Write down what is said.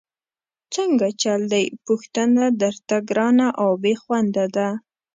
څنګه چل دی، پوښتنه درته ګرانه او بېخونده ده؟!